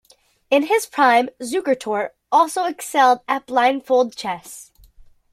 In his prime Zukertort also excelled at blindfold chess.